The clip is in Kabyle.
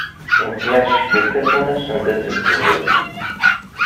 Ultma teckel tafunast send ad tt-id-teẓẓeg.